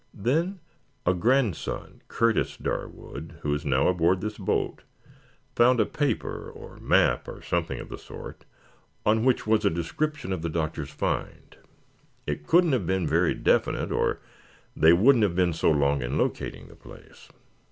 Then a grandson, Curtis Darwood, who is now aboard this boat, found a paper or map or something of the sort, on which was a description of the Doctor's find. It couldn't have been very definite or they wouldn't have been so long in locating the place.